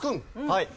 はい。